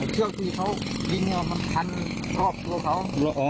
ไอ้เชือกที่เขายิงมันพันธุ์รอบตัวเขา